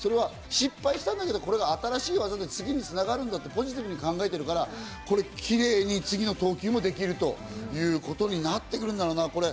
失敗したんだけど、これは新しい技で次に繋がるんだとポジティブに考えているからキレイに次の投球もできるということになってくるんだろうな。